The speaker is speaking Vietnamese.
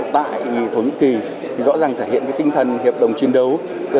tại thổ nhĩ kỳ rõ ràng thể hiện tinh thần hiệp đồng chiến đấu